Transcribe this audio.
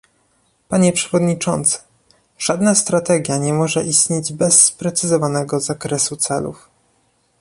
Panie przewodniczący! Żadna strategia nie może istnieć bez sprecyzowanego zakresu celów